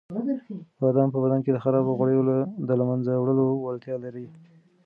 بادام په بدن کې د خرابو غوړیو د له منځه وړلو وړتیا لري.